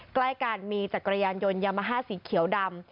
ใกล้กันมีจักรยานยนต์ยามาฮ่าสีเขียวดำ